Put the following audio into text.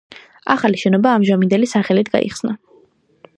ახალი შენობა ამჟამინდელი სახელით გაიხსნა.